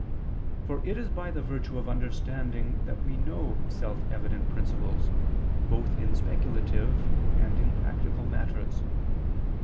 For it is by the virtue of understanding that we know self evident principles both in speculative and in practical matters.